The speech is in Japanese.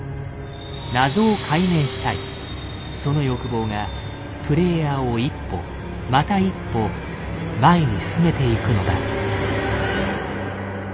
しかしその欲望がプレイヤーを一歩また一歩前に進めていくのだ。